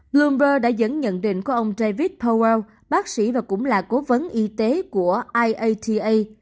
bloomberg đã dẫn nhận định của ông david powell bác sĩ và cũng là cố vấn y tế của iata